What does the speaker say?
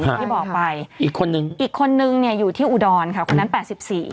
ที่บอกไปอีกคนนึงอีกคนนึงเนี่ยอยู่ที่อุดรค่ะคนนั้นแปดสิบสี่